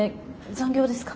残業ですか？